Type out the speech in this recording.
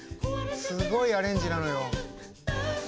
すごいアレンジなのよ。